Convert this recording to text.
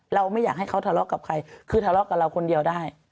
เราไม่อยากให้เขาทะเลาะกับใครคือทะเลาะกับเราคนเดียวได้